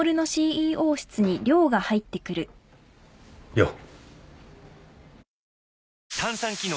よっ。